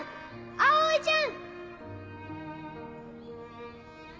葵ちゃん！